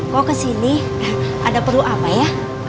kok kesini ada perlu apa ya